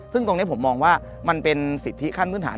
ซึ่งตรงนี้ผมมองว่ามันเป็นสิทธิขั้นพื้นฐาน